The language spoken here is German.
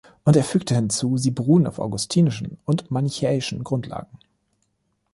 Und er fügte hinzu: „"Sie beruhen auf augustinischen und manichäischen Grundlagen.